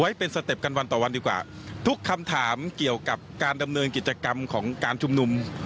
ไว้เป็นสเต็ปกันวันต่อวันดีกว่าทุกคำถามเกี่ยวกับการดำเนินกิจกรรมของการชุมนุม